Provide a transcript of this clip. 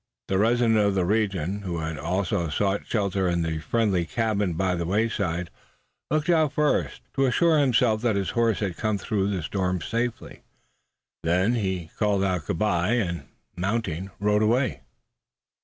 The resident of the region who had also sought shelter in the friendly cabin by the wayside, looked out first, to assure himself that his horse had come through the storm safely. Then he called out good bye, and mounting, rode away.